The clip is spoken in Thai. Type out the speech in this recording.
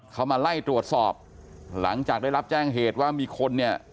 เขามาไล่ตรวจสอบหลังจากได้รับแจ้งเหตุว่ามีคนเนี่ย